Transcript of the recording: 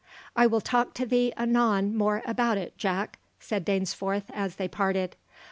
"I will talk to thee anon more about it, Jack," said Dainsforth, as they parted.